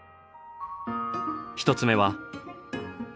１つ目は。